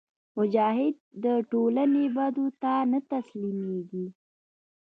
مجاهد د ټولنې بدو ته نه تسلیمیږي.